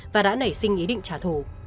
và đã nảy sinh ý định trả thù